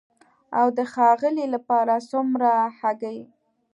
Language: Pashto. او د ښاغلي لپاره څومره هګۍ؟